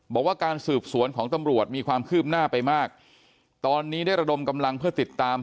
บอกว่าการสืบสวนของตำรวจมีความคืบหน้าไปมากตอนนี้ได้ระดมกำลังเพื่อติดตาม